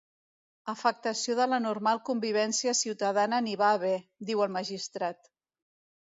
Afectació de la normal convivència ciutadana n’hi va haver, diu el magistrat.